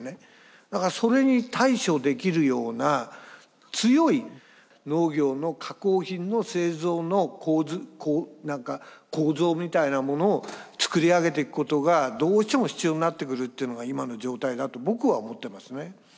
だからそれに対処できるような強い農業の加工品の製造の構図こう構造みたいなものを作り上げていくことがどうしても必要になってくるっていうのが今の状態だと僕は思ってますね。